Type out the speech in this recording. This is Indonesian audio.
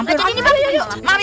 mau lanjut pak